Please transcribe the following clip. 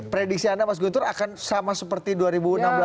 prediksi anda mas guntur akan sama seperti dua ribu enam belas